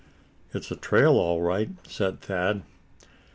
"It's a trail, all right," said Thad.